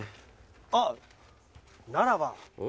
あっならば。